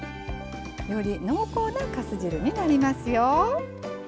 より濃厚なかす汁になりますよ。